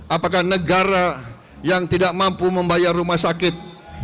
apakah negara yang tidak mampu membayar rumah sakit